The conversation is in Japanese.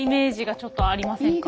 ちょっとありませんか？